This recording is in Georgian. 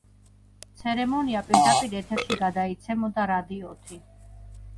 ცერემონია პირდაპირ ეთერში გადაიცემოდა რადიოთი.